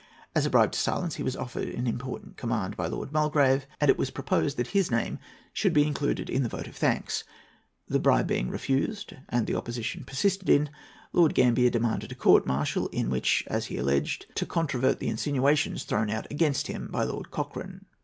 As a bribe to silence he was offered an important command by Lord Mulgrave, and it was proposed that his name should be included in the vote of thanks. The bribe being refused and the opposition persisted in, Lord Gambier demanded a court martial, in which, as he alleged, to controvert the insinuations thrown out against him by Lord Cochrane.